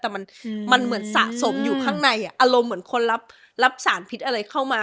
แต่มันเหมือนสะสมอยู่ข้างในอารมณ์เหมือนคนรับสารพิษอะไรเข้ามา